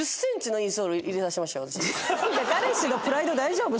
彼氏のプライド大丈夫？